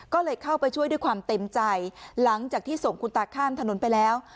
ก็เลยเข้าไปช่วยด้วยความเต็มใจหลังจากที่ส่งคุณตาข้ามถนนไปแล้ว